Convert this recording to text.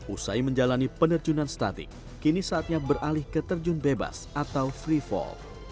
usai menjalani penerjunan statik kini saatnya beralih ke terjun bebas atau free fall